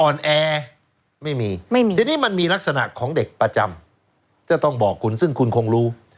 แอร์ไม่มีไม่มีทีนี้มันมีลักษณะของเด็กประจำจะต้องบอกคุณซึ่งคุณคงรู้